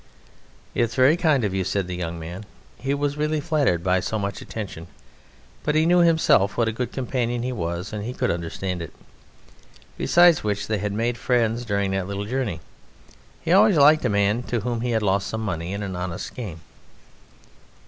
"It's very kind of you," said the young man. He was really flattered by so much attention, but he knew himself what a good companion he was and he could understand it; besides which they had made friends during that little journey. He always liked a man to whom he had lost some money in an honest game.